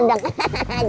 yaudah aku mau pergi